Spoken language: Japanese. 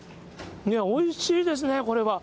おいしいですね、これは。